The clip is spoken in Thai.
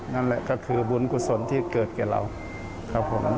นั่นแหละก็คือบุญกุศลที่เกิดแก่เราครับผม